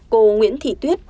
cô nguyễn thị tuyết